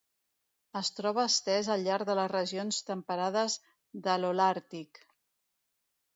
Es troba estès al llarg de les regions temperades de l'Holàrtic.